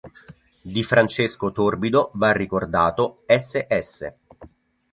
Di Francesco Torbido va ricordato "Ss.